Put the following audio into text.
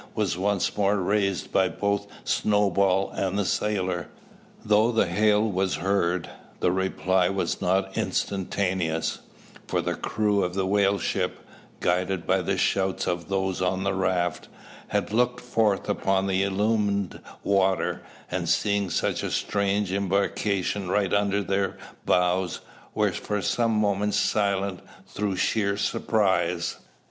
was once more raised by both Snowball and the sailor. Though the hail was heard, the reply was not instantaneous; for the crew of the whale ship, guided by the shouts of those on the raft, had looked forth upon the illumined water, and, seeing such a strange embarkation right under their bows, were for some moments silent through sheer surprise.